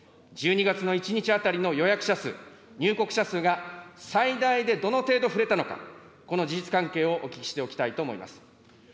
１２月の１日当たりの予約者数、入国者数が最大でどの程度ふれたのか、この事実関係をお聞きしておきたいと思います。